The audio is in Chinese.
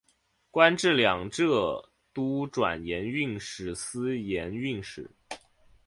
官至两浙都转盐运使司盐运使。